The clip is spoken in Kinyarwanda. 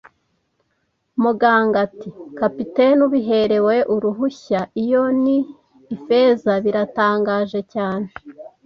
Muganga ati: "Kapiteni, ubiherewe uruhushya, iyo ni Ifeza. Biratangaje cyane